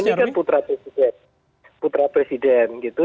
nah sosok gibran ini kan putra presiden gitu